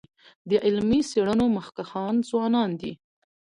د علمي څيړنو مخکښان ځوانان دي.